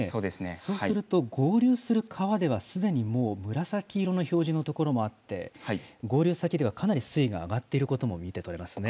そうすると、合流する川では、すでにもう紫色の所の表示の所もあって、合流先ではかなり水位が上がっていることも見てとれますね。